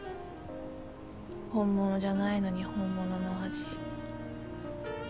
本物じゃないのに本物の味。